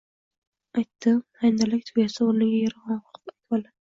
Aytdim, handalak tugasa, o‘rniga yeryong‘oq ekvoladi